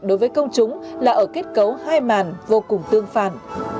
đối với công chúng là ở kết cấu hai màn vô cùng tương phản